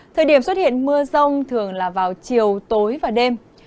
thời điểm xuất hiện mưa rông thường là vào chiều tối và đêm